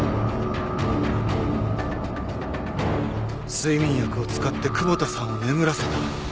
睡眠薬を使って窪田さんを眠らせた。